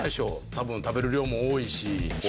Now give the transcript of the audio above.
多分食べる量も多いし。